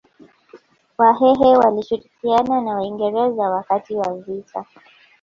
Wahehe walishirikiana na Waingereza wakati wa vita